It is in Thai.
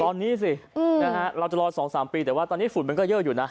ตอนนี้สินะฮะเราจะรอ๒๓ปีแต่ว่าตอนนี้ฝุ่นมันก็เยอะอยู่นะ